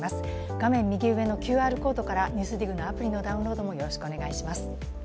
画面右上のＱＲコードから「ＮＥＷＳＤＩＧ」のアプリのダウンロードもお願いします。